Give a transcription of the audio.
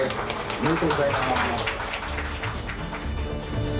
おめでとうございます！